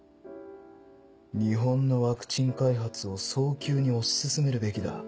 「日本のワクチン開発を早急に推し進めるべきだ。